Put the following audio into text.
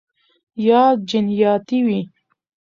یا جنیاتي وي